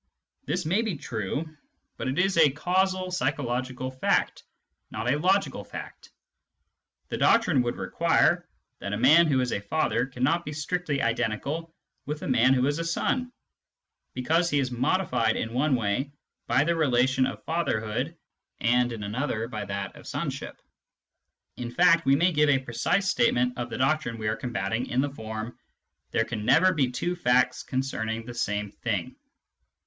This may be true, but it is a causal psychological fact, not a logical fact The doctrine would require that a man who is a father cannot be strictly identical with a man who is a son, because he is modified in one way by the relation of fatherhood and in another by that of sonship. In fact, we njay give a precise statement of the doctrine we are combating in the form : There can never be two facts concerning the same thing.